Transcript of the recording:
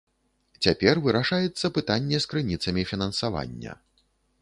Цяпер вырашаецца пытанне з крыніцамі фінансавання.